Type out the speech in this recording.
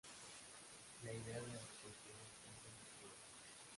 La idea de reconstruir el templo no es nueva.